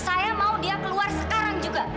saya mau dia keluar sekarang juga